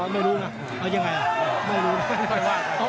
ไม่รู้นะต้นไงแล้ว